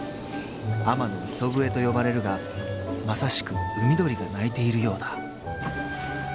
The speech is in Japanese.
海女の磯笛と呼ばれるがまさしく海鳥が鳴いているようだ］